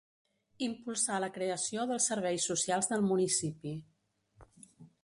Impulsà la creació dels serveis socials del municipi.